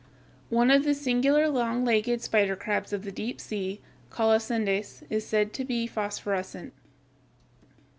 One of the singular long legged spider crabs of the deep sea, Colossendeis, is said to be phosphorescent.